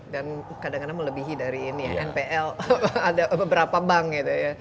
dan kadang kadang melebihi dari ini ya npl ada beberapa bank gitu ya